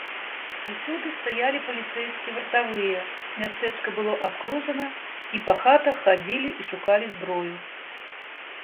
Усюды стаялі паліцэйскія вартавыя, мястэчка было абкружана, і па хатах хадзілі і шукалі зброю.